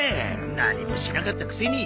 何もしなかったくせに。